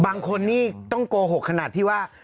บางคนนี่ต้องโกหกขนาดที่ว่า